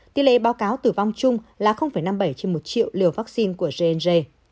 tiếng lệ báo cáo tử vong chung là năm mươi bảy trên một triệu liều vaccine của j j